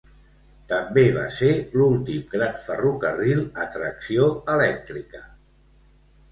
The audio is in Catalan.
També va ser l'últim gran ferrocarril a tracció elèctrica.